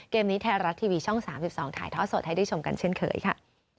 เกมนี้ไทยรัฐทีวีช่อง๓๒ถ่ายทอดสดให้ได้ชมกันเช่นเคยค่ะ